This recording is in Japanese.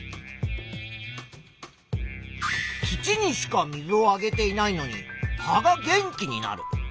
土にしか水をあげていないのに葉が元気になる。